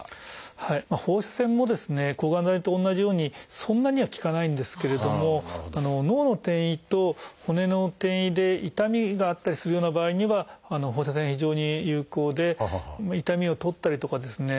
放射線もですね抗がん剤と同じようにそんなには効かないんですけれども脳の転移と骨の転移で痛みがあったりするような場合には放射線が非常に有効で痛みをとったりとかですね